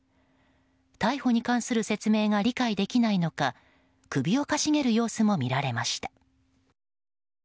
逮捕に関する説明が理解できないのか首をかしげる様子も見られました。